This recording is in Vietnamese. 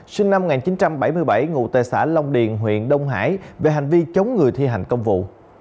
sinh năm một nghìn chín trăm bảy mươi bảy ngụ tệ xã long điền huyện đông hải về hành vi chống người thi hành công vụ